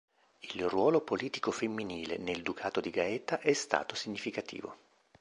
Il ruolo politico femminile nel ducato di Gaeta è stato significativo.